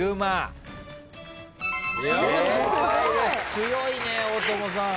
強いね大友さん。